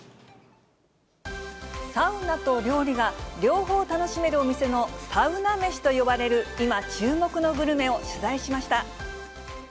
サウナと料理が両方楽しめるお店のサウナ飯と呼ばれる今、注目のグルメを取材しました。